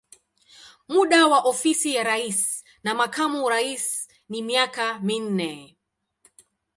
Muda wa ofisi ya rais na makamu wa rais ni miaka minne.